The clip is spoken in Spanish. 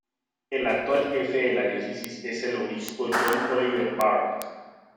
El actual jefe de la Diócesis es el Obispo John Oliver Barres.